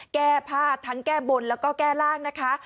แก้ผ้าทั้งแก้บนแล้วก็แก้ร่างนะคะ